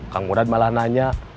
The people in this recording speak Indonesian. kang murad malah nanya